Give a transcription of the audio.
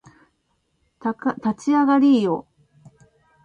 立ち上がりーよ